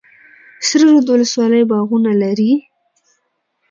سره رود ولسوالۍ باغونه لري؟